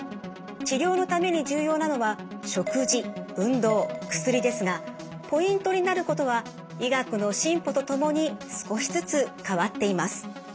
治療のために重要なのは食事運動薬ですがポイントになることは医学の進歩とともに少しずつ変わっています。